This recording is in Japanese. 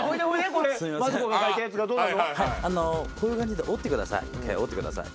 こういう感じで折ってください。